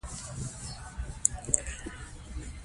قومونه د افغانانو د فرهنګي پیژندنې برخه ده.